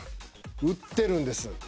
売ってるんです。